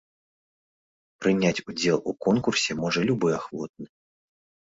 Прыняць удзел у конкурсе можа любы ахвотны.